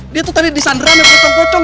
dia tuh tadi disandar rame pocong pocong